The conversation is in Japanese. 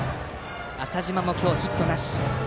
浅嶋も今日ヒットなし。